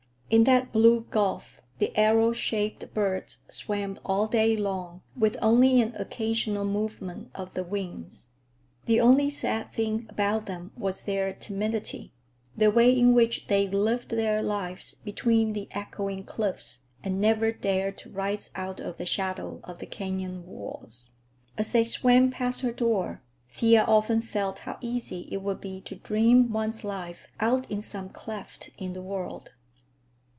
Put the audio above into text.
In that blue gulf the arrow shaped birds swam all day long, with only an occasional movement of the wings. The only sad thing about them was their timidity; the way in which they lived their lives between the echoing cliffs and never dared to rise out of the shadow of the canyon walls. As they swam past her door, Thea often felt how easy it would be to dream one's life out in some cleft in the world.